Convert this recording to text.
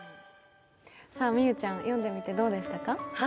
美羽ちゃん、読んでみてどうでしたか？